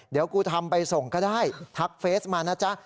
เดี๋ยวกูทำไปส่งก็ได้ทักเฟสมานะจ๊ะ